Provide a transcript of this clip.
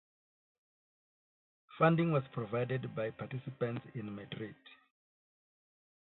Funding was provided by participants in Madrid.